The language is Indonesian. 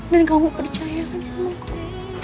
dan kamu percayakan sama aku